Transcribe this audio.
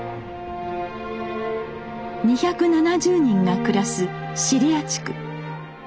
２７０人が暮らす尻屋地区。